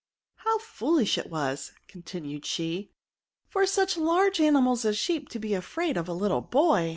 How foolish it was,*' continued she, ^' for such laige animals as sheep to be afiraid of a little boy